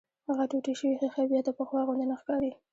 هغه ټوټې شوې ښيښه بيا د پخوا غوندې نه ښکاري.